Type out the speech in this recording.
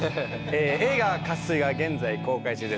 映画『渇水』が現在公開中です。